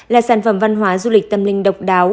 là sản phẩm văn hóa du lịch tâm linh độc đáo